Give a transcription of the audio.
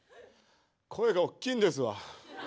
声が大きいんですわ。